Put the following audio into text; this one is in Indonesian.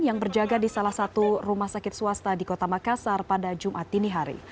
yang berjaga di salah satu rumah sakit swasta di kota makassar pada jumat dini hari